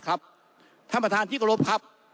ท่านประธานธิกรพครับ